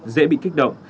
dễ bị kích động